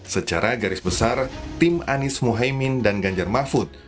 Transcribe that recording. secara garis besar tim anies mohaimin dan ganjar mahfud